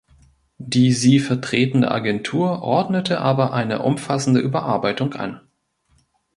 Die sie vertretende Agentur ordnete aber eine umfassende Überarbeitung an.